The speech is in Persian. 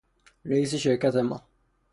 رئیس شرکت ما